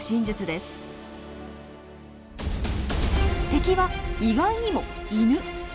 敵は意外にもイヌ。